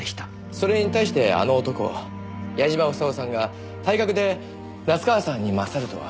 それに対して「あの男」矢嶋房夫さんが体格で夏河さんに勝るとは考えにくいんです。